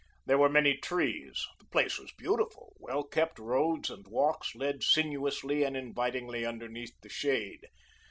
There were many trees; the place was beautiful; well kept roads and walks led sinuously and invitingly underneath the shade.